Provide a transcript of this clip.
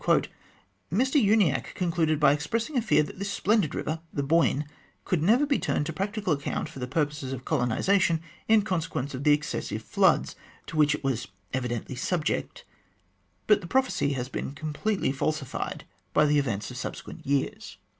Mr Uniacke concluded by expressing a fear that this splendid river the Boyne could never be turned to practical account for the purposes of colonisation in consequence of the excessive floods to which it was evidently subject, but the prophecy has been completely falsified by the events of subsequent years.